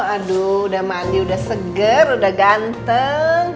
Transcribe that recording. aduh udah mandi udah seger udah ganteng